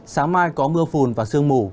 sáng mai có mưa phùn và sương mù